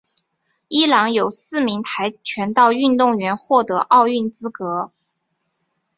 伊朗有四名跆拳道运动员获得奥运资格。